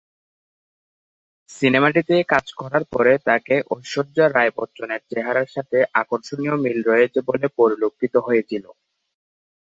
সিনেমাটিতে কাজ করার পরে তাকে ঐশ্বর্যা রাই বচ্চন এর চেহারার সাথে আকর্ষণীয় মিল রয়েছে বলে পরিলক্ষিত হয়েছিল।